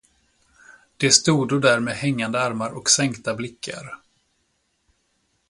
De stodo där med hängande armar och sänkta blickar.